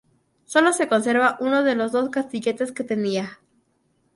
Solo se conserva uno de los dos castilletes que tenía.